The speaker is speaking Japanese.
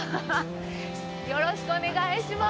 よろしくお願いします。